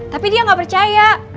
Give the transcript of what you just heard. tapi dia nggak percaya